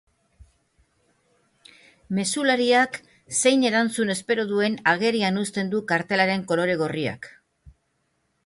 Mezulariak zein erantzun espero duen agerian uzten du kartelaren kolore gorriak.